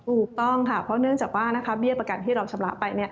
ถูกต้องค่ะเพราะเนื่องจากว่าเบี้ยประกันที่เราชำระไป